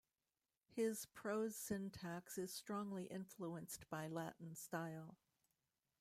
His prose syntax is strongly influenced by Latin style.